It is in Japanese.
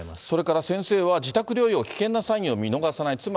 それから先生は、自宅療養、危険なサインを見逃さない。